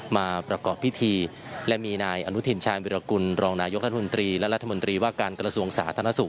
มาประกอบพิธีและมีนายอนุทินชาญวิรากุลรองนายกรัฐมนตรีและรัฐมนตรีว่าการกระทรวงสาธารณสุข